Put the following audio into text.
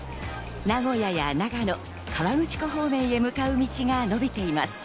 名古屋や長野、河口湖方面へ向かう道が伸びています。